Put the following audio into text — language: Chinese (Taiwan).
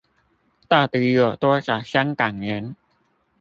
到底有多少香港人？